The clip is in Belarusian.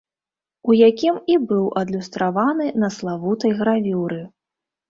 У якім і быў адлюстраваны на славутай гравюры.